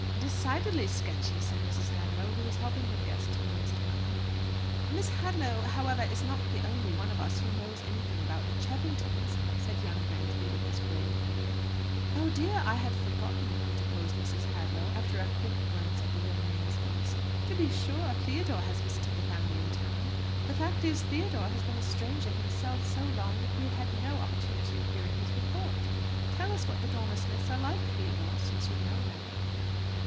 "Decidedly sketchy!" said Mrs. Hadlow, who was helping her guests to minced mutton. "Miss Hadlow, however, is not the only one of us who knows anything about the Cheffingtons," said young Bransby, with his grave air. "Oh, dear me, I had forgotten!" interposed Mrs. Hadlow, after a quick glance at the young man's face. "To be sure, Theodore has visited the family in town. The fact is, Theodore has been a stranger himself so long, that we have had no opportunity of hearing his report. Tell us what the Dormer Smiths are like, Theodore, since you know them."